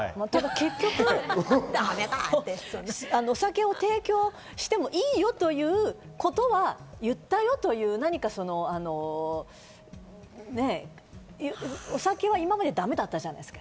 結局、お酒を提供してもいいよという事は言ったよという何か、お酒は今までダメだったじゃないですか。